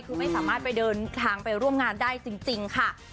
คือไม่สามารถไปเดินทางไปร่วมงานได้จริงค่ะ